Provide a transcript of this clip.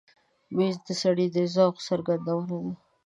مېز د سړي د ذوق څرګندونه ده.